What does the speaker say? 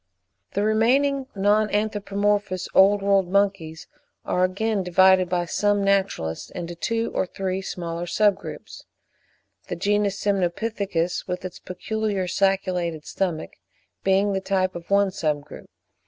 The remaining non anthropomorphous Old World monkeys, are again divided by some naturalists into two or three smaller sub groups; the genus Semnopithecus, with its peculiar sacculated stomach, being the type of one sub group.